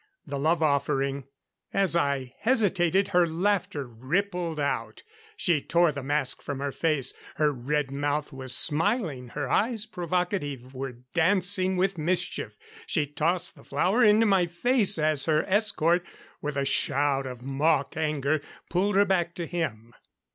The love offering. As I hesitated, her laughter rippled out. She tore the mask from her face. Her red mouth was smiling; her eyes, provocative, were dancing with mischief. She tossed the flower into my face as her escort, with a shout of mock anger, pulled her back to him.